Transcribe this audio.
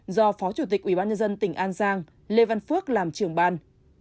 do phó chủ tịch ubnd tỉnh an giang lê văn phước làm trưởng ban